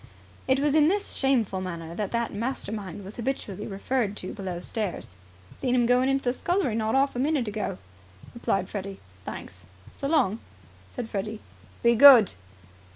It was in this shameful manner that that mastermind was habitually referred to below stairs. "Seen 'im going into the scullery not 'arf a minute ago," replied Freddy. "Thanks." "So long," said Freddy. "Be good!"